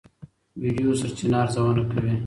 ویډیو سرچینه ارزونه کوي.